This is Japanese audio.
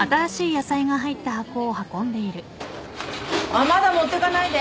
あっまだ持ってかないで。